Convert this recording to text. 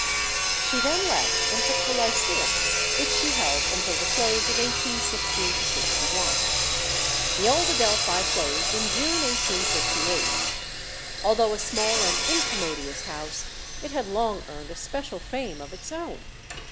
She then left and took the Lyceum, which she held until the close of 1860 1. The old Adelphi closed in June 1858. Although a small and incommodious house, it had long earned a special fame of its own.